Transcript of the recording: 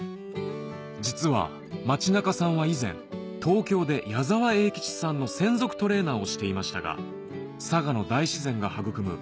実は町中さんは以前東京で矢沢永吉さんの専属トレーナーをしていましたが佐賀の大自然が育む